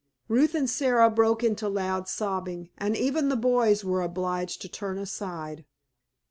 Ruth and Sara broke into loud sobbing, and even the boys were obliged to turn aside.